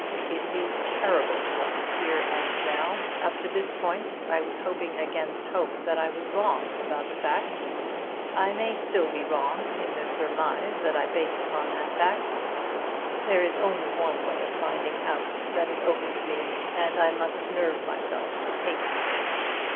"It is terrible for me here and now. Up to this moment I was hoping against hope that I was wrong about the fact. I may still be wrong in the surmise that I base upon that fact. There is only one way of finding out that is open to me, and I must nerve myself to take it."